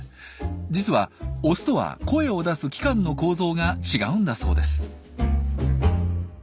実はオスとは声を出す器官の構造が違うんだそうです。